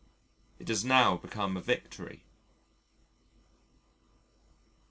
It has now become a victory.